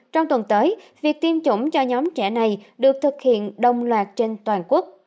trong tuần tới việc tiêm chủng cho nhóm trẻ này được thực hiện đồng loạt trên toàn quốc